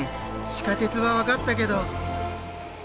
地下鉄はわかったけど。